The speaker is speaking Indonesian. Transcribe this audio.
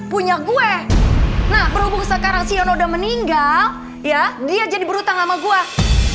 punya gue nah berhubung sekarang sion udah meninggal ya dia jadi berhutang sama gua sekarang masa iya gua mau tanya sama dia